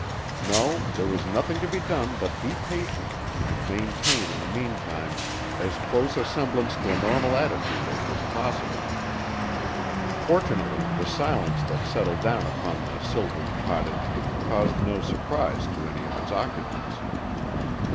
No, there was nothing to be done but be patient and maintain in the meantime as close a semblance to a normal attitude as was possible. Fortunately the silence that settled down upon the silvered cottage caused no surprise to any of its occupants.